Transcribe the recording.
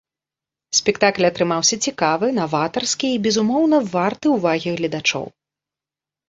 Спектакль атрымаўся цікавы, наватарскі і, безумоўна, варты ўвагі гледачоў.